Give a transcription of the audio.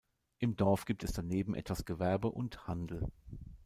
Im Dorf gibt es daneben etwas Gewerbe und Handel.